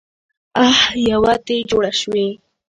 اح يوه تې جوړه شوه.